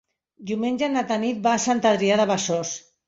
Diumenge na Tanit va a Sant Adrià de Besòs.